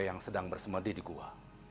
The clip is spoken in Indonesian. yang sedang bersemadi di gua